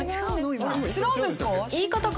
違うんですか？